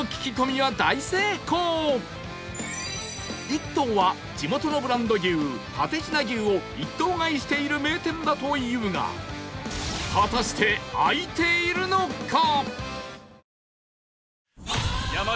イットウは地元のブランド牛蓼科牛を一頭買いしている名店だというが果たして開いているのか？